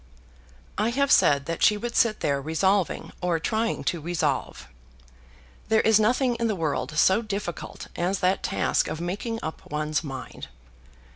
I have said that she would sit there resolving, or trying to resolve. There is nothing in the world so difficult as that task of making up one's mind.